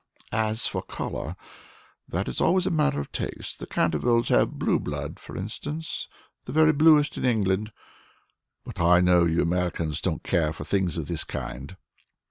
As for color, that is always a matter of taste: the Cantervilles have blue blood, for instance, the very bluest in England; but I know you Americans don't care for things of this kind."